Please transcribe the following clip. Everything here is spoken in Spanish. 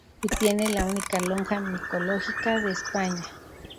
Y tiene la única lonja micológica de España.